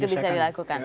itu bisa dilakukan